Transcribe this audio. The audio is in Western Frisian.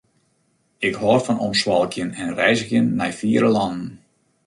Ik hâld fan omswalkjen en reizgjen nei fiere lannen.